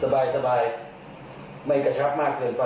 สไตล์ทางหวงเราครับ